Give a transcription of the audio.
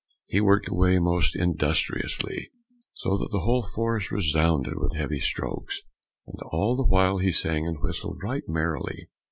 He worked away most industriously, so that the whole forest resounded with the heavy strokes, and all the while he sang and whistled right merrily.